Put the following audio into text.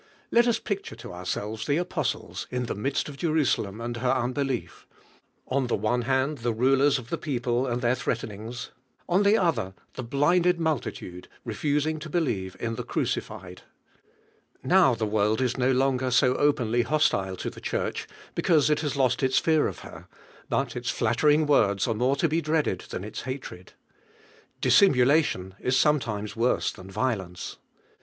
Let us picture In ourselves the apostles in the midst of Jerusalem and her unli. lief; on the one hand the rulers of the people and their threatening; on the oth er, the blinded multitude refusing to be lieve in the Crueilied. Now the world is no longer so openly hostile to the Church because it hag lost its fear of her, but its flattering words are more to be D1V1KE IIKALINCI. dreaded lhan its hatred. Dissimulation is sometimes worse lh;in violence.